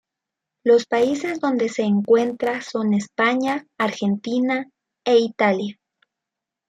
Los países donde se encuentra son España, Argentina e Italia.